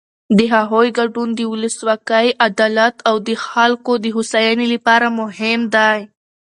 د هغوی ګډون د ولسواکۍ، عدالت او د خلکو د هوساینې لپاره مهم دی.